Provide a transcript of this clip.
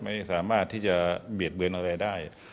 ว่าที่จะเบียดเบื้นอะไรได้